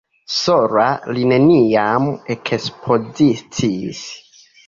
Sola li neniam ekspoziciis.